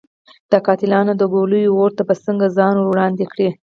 د قاتلانو د ګولیو اور ته به څنګه ځان ور وړاندې کړي.